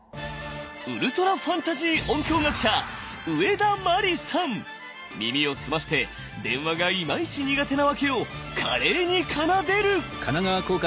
ウルトラファンタジー音響学者耳を澄まして電話がイマイチ苦手なワケを華麗に奏でる！